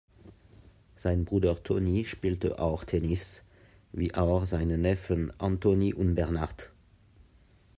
Sein Bruder Tony spielte auch Tennis, wie auch seine Neffen Anthony und Bernard.